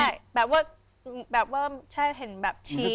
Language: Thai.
ใช่แบบว่าใช่เห็นแบบชี้